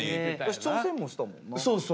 挑戦もしたもんな。